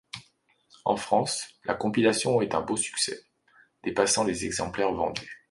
En France, la compilation est un beau succès, dépassant les exemplaires vendus.